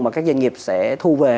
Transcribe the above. mà các doanh nghiệp sẽ thu về